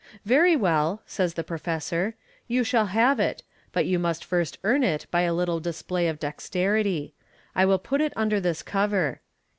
" Very well," says the professor, " you shall have it j but you must first earn it by a little display of dexterity. I will put it under this cover."